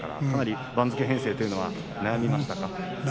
かなり番付編成というのは悩みましたか？